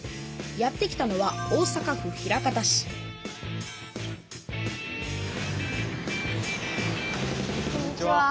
やって来たのはこんにちは。